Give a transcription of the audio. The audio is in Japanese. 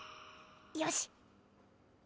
よし！